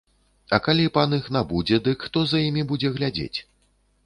А калі пан іх набудзе, дык хто за імі будзе глядзець?